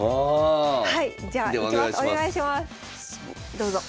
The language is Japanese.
どうぞ。